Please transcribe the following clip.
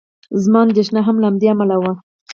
زما اندېښنه هم له همدې امله وه.